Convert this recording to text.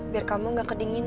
biar kamu nggak kedinginan